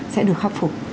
sẽ được khắc phục